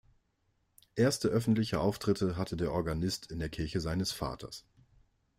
Erste öffentliche Auftritte hatte der Organist in der Kirche seines Vaters.